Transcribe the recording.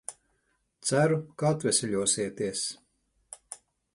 Ceru, ka atveseļosieties.